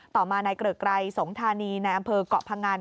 ต่อมานายเกริกไกรสงธานีในอำเภอกเกาะพงัน